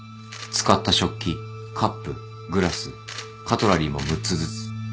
使った食器カップグラスカトラリーも６つずつ。